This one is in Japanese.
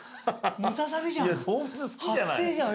ムササビじゃん。